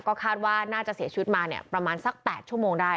ก็คาดว่าน่าจะเสียชีวิตมาประมาณสัก๘ชั่วโมงได้